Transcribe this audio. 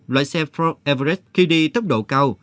loại xe ford everest khi đi tốc độ cao